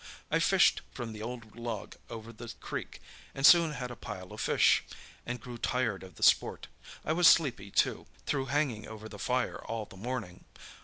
I fished from the old log over the creek, and soon had a pile of fish, and grew tired of the sport. I was sleepy, too, through hanging over the fire all the morning.